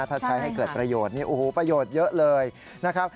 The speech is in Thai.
ถ้าใช้ให้เกิดประโยชน์นี่โอ้โหประโยชน์เยอะเลยนะครับ